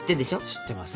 知ってます。